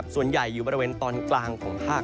ส่วนใหญ่อยู่บริเวณตอนกลางของภาค